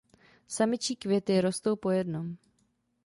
Samičí květy rostou po jednom.